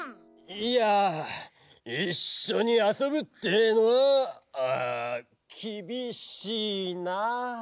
いやいっしょにあそぶってえのはきびしいな！